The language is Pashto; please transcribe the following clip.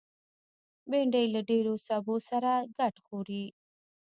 بېنډۍ له ډېرو سبو سره ګډ خوري